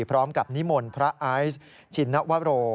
พร้อมกับนิมนต์พระอายสชินวโวโร